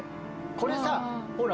これさほら